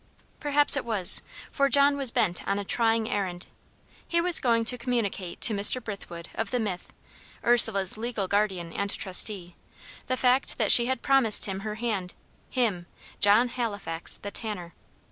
Perhaps it was, for John was bent on a trying errand. He was going to communicate to Mr. Brithwood of the Mythe, Ursula's legal guardian and trustee, the fact that she had promised him her hand him, John Halifax, the tanner.